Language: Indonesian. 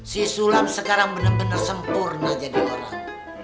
si sulam sekarang bener bener sempurna jadi orang